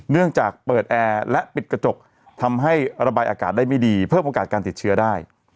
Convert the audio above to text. เนื่องจากเปิดแอร์และปิดกระจกทำให้ระบายอากาศได้ไม่ดีเพิ่มโอกาสการติดเชื้อได้